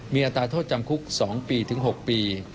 มีอัตราโทษจำคุก๒ปีถึง๖ปี